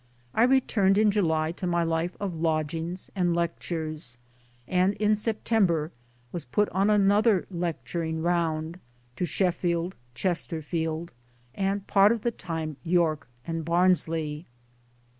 I returned in July to my ilife of lodgings and lectures ; and in September was put on another lecturing round to Sheffield, Chesterfield, and part of the time York and Barnsley..